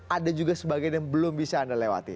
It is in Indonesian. ada juga sebagian yang belum bisa anda lewati